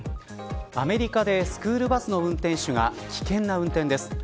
アメリカでスクールバスの運転手が危険な運転です。